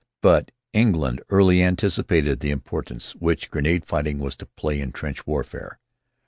But England early anticipated the importance which grenade fighting was to play in trench warfare.